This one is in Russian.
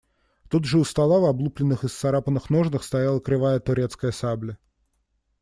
Тут же у стола в облупленных и исцарапанных ножнах стояла кривая турецкая сабля.